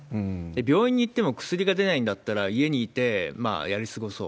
病院に行っても薬が出ないんだったら、家にいてやり過ごそう。